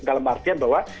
dalam artian bahwa